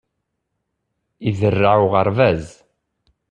Iderreɛ uɣerbaz.